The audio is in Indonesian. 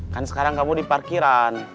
kan sekarang kamu di parkiran